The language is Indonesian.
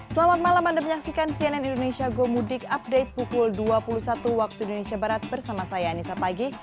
selamat malam anda menyaksikan cnn indonesia gomudik update pukul dua puluh satu waktu indonesia barat bersama saya anissa pagi